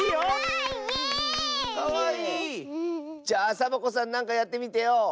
じゃあサボ子さんなんかやってみてよ。